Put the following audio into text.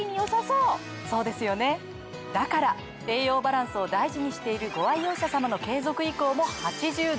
そうですよねだから栄養バランスを大事にしているご愛用者様の継続意向も８７％！